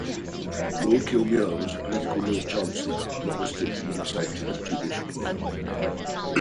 Lord Kilmuir was a political Lord Chancellor, not restricting himself to his judicial role.